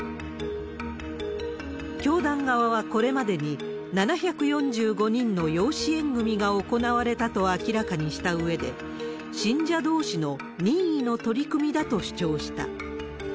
教団側はこれまでに、７４５人の養子縁組みが行われたと明らかにしたうえで、信者どうしの任意の取り組みだと主張した。